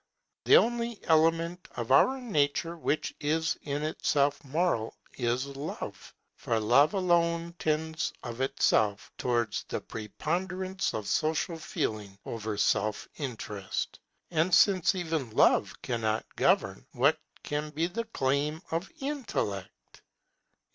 The only element of our nature which is in itself moral is Love; for Love alone tends of itself towards the preponderance of social feeling over self interest. And since even Love cannot govern, what can be the claim of Intellect?